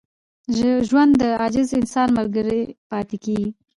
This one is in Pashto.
ژوند د عاجز انسان ملګری پاتې کېږي.